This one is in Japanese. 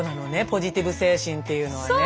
ポジティブ精神っていうのはね。